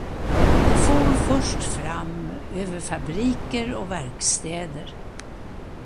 De for först fram över fabriker och verkstäder.